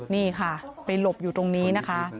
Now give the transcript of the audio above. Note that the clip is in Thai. นี่ค่ะไปหลบอยู่ตรงนี้นะคะ